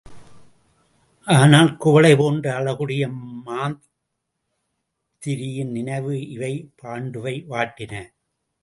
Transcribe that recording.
அதனால் குவளை போன்ற அழகுடைய மாத்திரியின் நினைவு இவை பாண்டுவை வாட்டின.